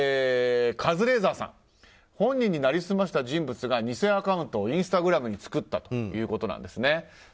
カズレーザーさん本人に成り済ました人物が偽アカウントをインスタグラムに作ったということなんですね。